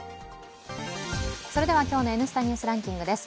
それでは、今日の「Ｎスタ・ニュースランキング」です。